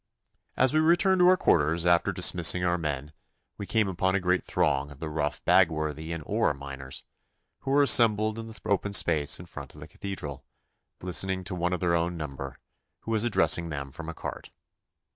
As we returned to our quarters after dismissing our men we came upon a great throng of the rough Bagworthy and Oare miners, who were assembled in the open space in front of the Cathedral, listening to one of their own number, who was addressing them from a cart.